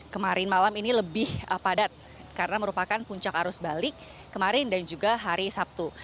kemarin malam ini lebih padat karena merupakan puncak arus balik kemarin dan juga hari sabtu